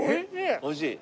おいしい？